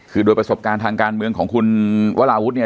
คือโดยประสบการณ์ทางการเมืองของคุณวราวุฒิเนี่ย